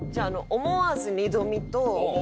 「思わず二度見」。